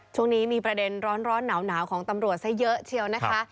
ช่วงนี้มีประเด็นร้อนหนาวของตำรวจซะเยอะเชียวนะคะ